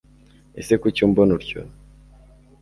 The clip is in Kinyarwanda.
Ese Kuki umbona utyo